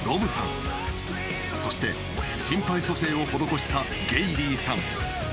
［そして心肺蘇生を施したゲイリーさん］